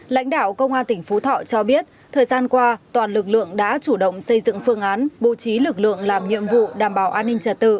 lãnh đạo công an tỉnh phú thọ cho biết thời gian qua toàn lực lượng đã chủ động xây dựng phương án bố trí lực lượng làm nhiệm vụ đảm bảo an ninh trật tự